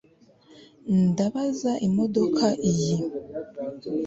Ndabaza imodoka iyi